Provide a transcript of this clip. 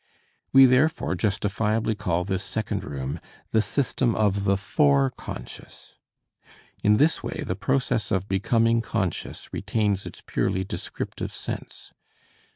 We therefore justifiably call this second room the system of the fore conscious. In this way the process of becoming conscious retains its purely descriptive sense.